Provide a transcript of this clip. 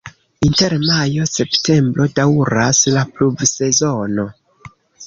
Inter majo-septembro daŭras la pluvsezono.